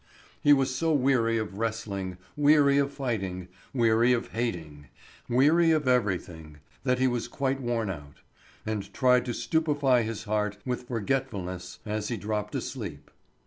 He was so weary of wrestling, weary of fighting, weary of hating, weary of everything, that he was quite worn out, and tried to stupefy his heart with forgetfulness as he dropped asleep.